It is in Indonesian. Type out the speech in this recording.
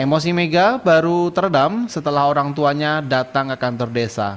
emosi mega baru teredam setelah orang tuanya datang ke kantor desa